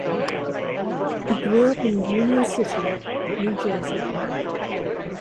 He grew up in Union City, New Jersey.